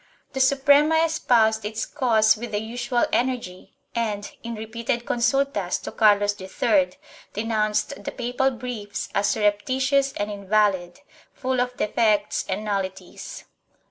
The Suprema espoused its cause with the usual energy and, in repeated consul tas to Carlos III, denounced the papal briefs as surreptitious and invalid, full of defects and nulli ties.